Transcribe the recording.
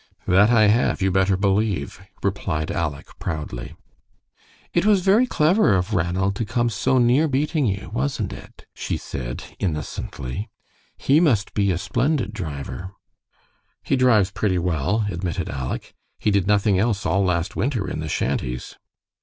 "That I have, you better believe," replied Aleck, proudly. "It was very clever of Ranald to come so near beating you, wasn't it?" she said, innocently. "He must be a splendid driver." "He drives pretty well," admitted Aleck. "He did nothing else all last winter in the shanties."